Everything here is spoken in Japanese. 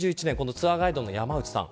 ツアーガイドの山内さん。